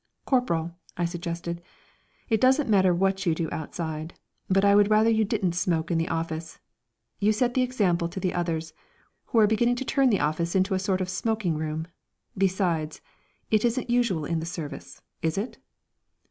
"Corporal," I suggested, "it doesn't matter what you do outside, but I would rather you didn't smoke in the office. You set the example to the others, who are beginning to turn the office into a sort of smoking room. Besides, it isn't usual in the Service, is it?"